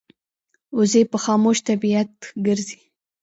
وزې په خاموش طبیعت ګرځي